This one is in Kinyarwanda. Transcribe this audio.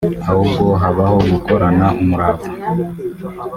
ahubwo habaho gukorana umurava